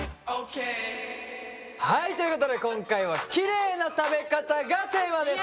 はいということで今回は「キレイな食べ方」がテーマです。